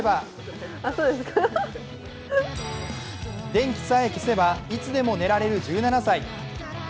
電気さえ消せばいつでも寝られる１７歳。